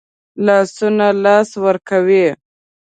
لاسونه لاس ورکوي